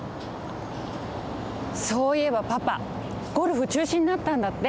そういえばパパゴルフちゅうしになったんだって。